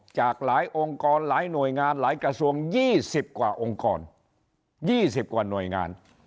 จากหลายองค์กรหลายหน่วยงานหลายกระทรวง๒๐กว่าองค์กร๒๐กว่าหน่วยงาน